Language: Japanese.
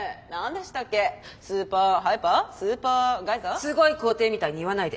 すごい皇帝みたいに言わないで。